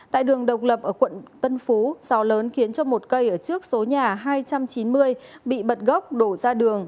tại đường độc lập ở quận tân phú gió lớn khiến cho một cây ở trước số nhà hai trăm chín mươi bị bật gốc đổ ra đường